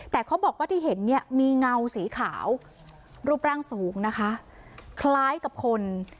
แต่เขาบอกว่าที่เห็นเนี่ยมีเงาสีขาวรูปร่างสูงนะคะคล้ายกับคน